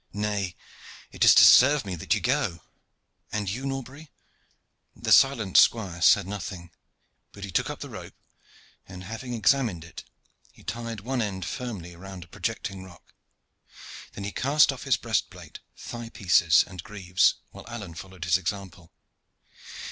"Nay, it is to serve me that ye go. And you, Norbury?" The silent squire said nothing, but he took up the rope, and, having examined it, he tied one end firmly round a projecting rock. Then he cast off his breast plate, thigh pieces, and greaves, while Alleyne followed his example.